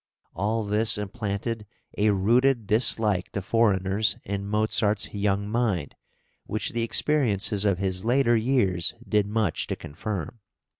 All this implanted a rooted dislike to foreigners in Mozart's young mind which the experiences of his later years did much to confirm.